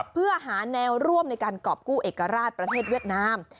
เพื่อหาแนวร่วมในการกรอบกู้เอกราชประเทศเวียดนาม